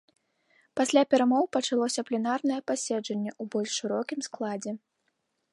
Пасля перамоў пачалося пленарнае паседжанне ў больш шырокім складзе.